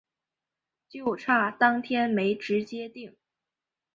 就差当天没直接订